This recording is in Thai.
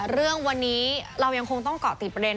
เรื่องวันนี้เรายังคงต้องเกาะติดประเด็น